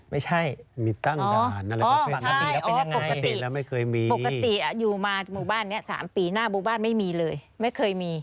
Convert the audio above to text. อ๋อปกติอยู่มาหมู่บ้านนี้๓ปีหน้าหมู่บ้านไม่มีเลยไม่เคยมี